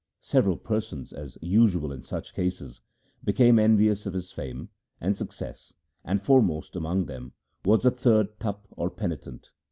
Several persons, as usual in such cases, became envious of his fame and success, and foremost among them was a third Tapa or penitent.